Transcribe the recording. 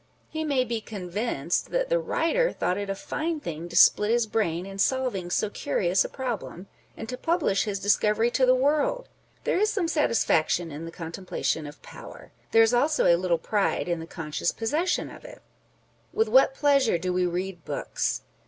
He may be con vinced that the writer thought it a fine thing to split his brain in solving so curious a problem, and to publish his discovery to the world. There is some satisfaction in the contemplation of power ; there is also a little pride in the conscious possession of it. With what pleasure do we read books